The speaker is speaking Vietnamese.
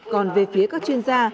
còn về phía các chuyên gia